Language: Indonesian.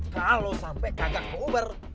kalau sampai kagak uber